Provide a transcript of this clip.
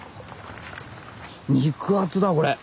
肉厚だこれ！